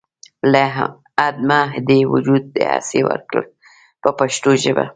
له عدمه دې وجود دهسې ورکړ په پښتو ژبه.